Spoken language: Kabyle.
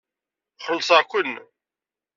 Xellṣeɣ-ken.